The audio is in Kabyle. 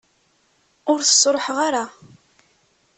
Ur t-sṛuḥeɣ ara.